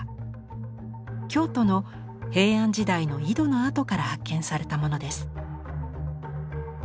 京都の平安時代の井戸の跡から発見されたものです。